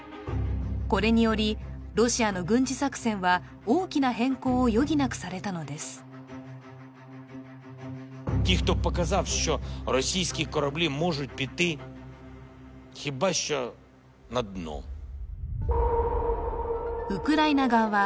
これによりロシアの軍事作戦は大きな変更を余儀なくされたのですウクライナ側は